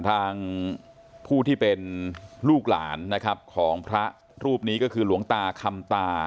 ทางผู้ที่เป็นลูกหลานนะครับของพระรูปนี้ก็คือหลวงตาคำตา